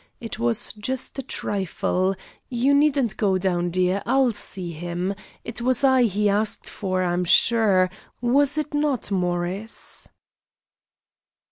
It was just a trifle. You needn't go down, dear; I'll see him. It was I he asked for, I'm sure; was it not, Morris?"